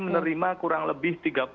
menerima kurang lebih tiga puluh lima